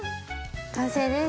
完成です。